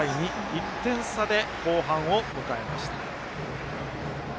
１点差で後半を迎えました。